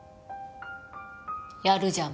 やるじゃん